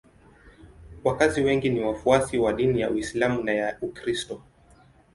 Wakazi wengi ni wafuasi wa dini ya Uislamu na ya Ukristo.